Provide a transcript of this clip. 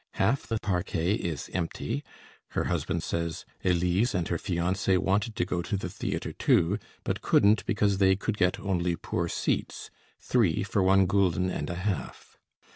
Half the parquet is empty. Her husband says, "Elise and her fiancé wanted to go to the theatre, too, but couldn't because they could get only poor seats, three for one gulden and a half."